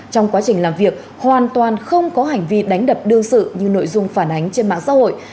trong quá trình làm việc hoàn toàn không có hành vi đánh đập đương sự như nội dung phản ánh trên mạng xã hội